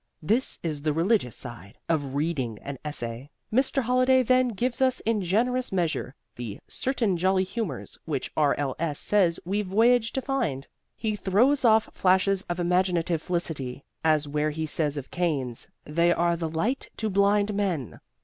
"This is the religious side" of reading an essay! Mr. Holliday, then, gives us in generous measure the "certain jolly humors" which R.L.S. says we voyage to find. He throws off flashes of imaginative felicity as where he says of canes, "They are the light to blind men."